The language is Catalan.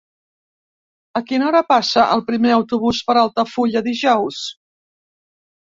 A quina hora passa el primer autobús per Altafulla dijous?